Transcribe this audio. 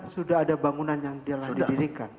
sudah ada bangunan yang didirikan